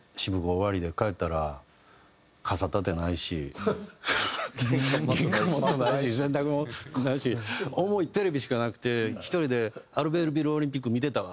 終わりで帰ったら傘立てないし玄関マットないし洗濯機ないし重いテレビしかなくて１人でアルベールビルオリンピック見てたわ」